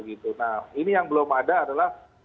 ini yang belum ada adalah